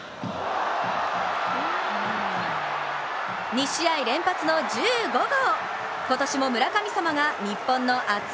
２試合連発の１５号。